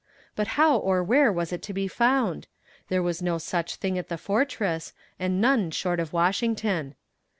But how or where was it to be found? There was no such thing at the Fortress, and none short of Washington.